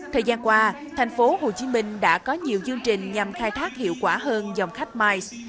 thời gian qua thành phố hồ chí minh đã có nhiều chương trình nhằm khai thác hiệu quả hơn dòng khách mice